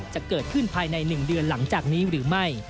จะเกิดขึ้นภายใน๑เดือนหลังจากนี้หรือไม่